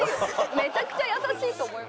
めちゃくちゃ優しいと思います。